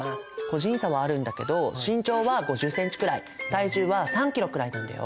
個人差はあるんだけど身長は５０ｃｍくらい体重は３ｋｇくらいなんだよ。